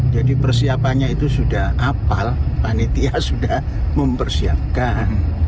jadi persiapannya itu sudah apal panitia sudah mempersiapkan